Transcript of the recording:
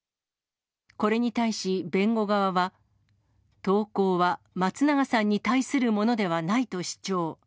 これに対し、弁護側は、投稿は松永さんに対するものではないと主張。